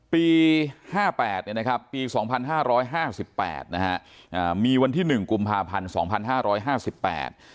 ปี๕๘ปี๒๕๕๘มีวันที่๑กุมภาพันธ์๒๕๕๘